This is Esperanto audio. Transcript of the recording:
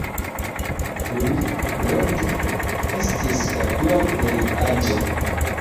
Louis-Claude estis la dua plej aĝa.